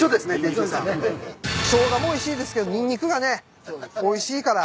ショウガもおいしいですけどニンニクがねおいしいから。